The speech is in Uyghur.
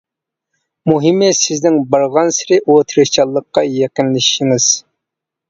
مۇھىمى، سىزنىڭ بارغانسېرى ئۇ تىرىشچانلىققا يېقىنلىشىشىڭىز.